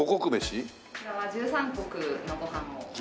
こちらは十三穀のご飯を。